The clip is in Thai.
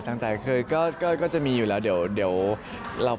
ตั้งใจคือก็จะมีอยู่แล้วเดี๋ยวเรา